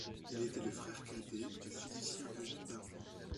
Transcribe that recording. Il était le frère cadet du physicien Eugène Darmois.